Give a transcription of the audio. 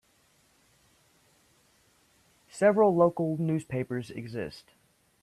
Several local newspapers exist.